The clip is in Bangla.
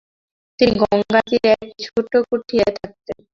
তিনি গঙ্গার তীরে একটি ছোট্ট কুঠিরে থাকতেন।